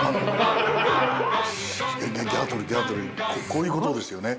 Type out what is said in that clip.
こういうことですよね。